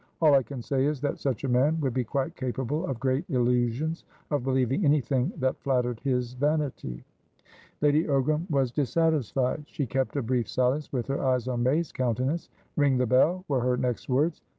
All I can say is, that such a man would be quite capable of great illusionsof believing anything that flattered his vanity." Lady Ogram was dissatisfied. She kept a brief silence, with her eyes on May's countenance. "Ring the bell," were her next words.